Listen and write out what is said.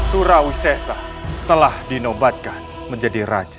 turawisesa telah dinobatkan menjadi raja